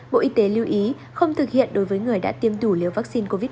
bộ y tế lưu ý không thực hiện đối với người đã tiêm đủ liều vaccine covid một mươi chín